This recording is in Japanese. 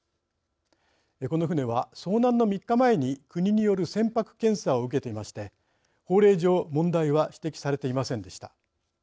この船は、遭難の３日前に国による船舶検査を受けていまして法令上、問題は指摘されていませんでした。